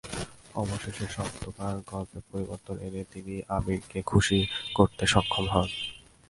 অবশেষে সপ্তমবার গল্পে পরিবর্তন এনে তিনি আমিরকে খুশি করতে সক্ষম হন।